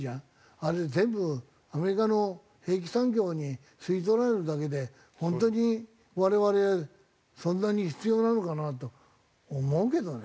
あれ全部アメリカの兵器産業に吸い取られるだけでホントに我々そんなに必要なのかなと思うけどね。